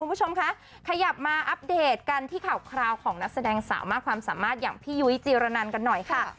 คุณผู้ชมคะขยับมาอัปเดตกันที่ข่าวคราวของนักแสดงสาวมากความสามารถอย่างพี่ยุ้ยจีรนันกันหน่อยค่ะ